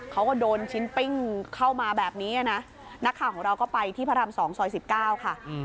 เขาก็โดนชิ้นปิ้งเข้ามาแบบนี้นะนักข่าวของเราก็ไปที่พระราม๒ซอย๑๙ค่ะ